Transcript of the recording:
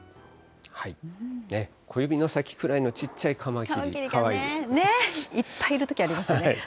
小指の先くらいのちっちゃいカマキリ、いっぱいいるときありますよ